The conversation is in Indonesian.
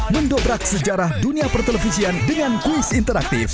mendobrak sejarah dunia pertelevisian dengan kuis interaktif